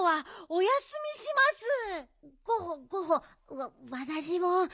わっわたしも。